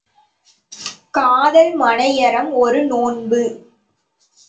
காதல் மனை யறம் ஒரு நோன்பு.